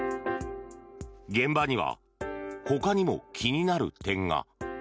現場にはほかにも気になる点が。